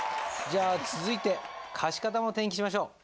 じゃあ続いて貸方も転記しましょう。